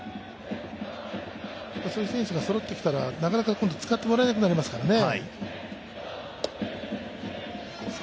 そういう選手がそろってきたらなかなか使ってもらえなくなりますからね。